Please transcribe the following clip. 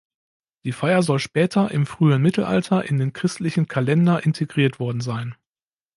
Die Feier soll später, im frühen Mittelalter, in den christlichen Kalender integriert worden sein.